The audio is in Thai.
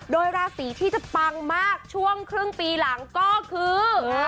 โดยราศีที่จะปังมากช่วงครึ่งปีหลังก็คือ